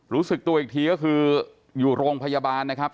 รู้สึกตัวอีกทีก็คืออยู่โรงพยาบาลนะครับ